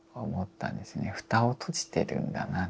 蓋を閉じてるんだな